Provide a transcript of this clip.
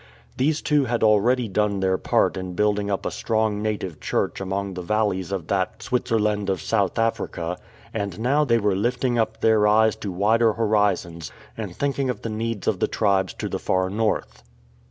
These two had already done their part in build ing up a strong native Church among the valleys of that 148 TREKKING NORTHWARDS " Switzerland of South Africa,"" and now they were lifting up their eyes to wider horizons and thinking of the needs of the tribes to the far north.